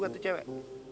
gak ada tuh cewek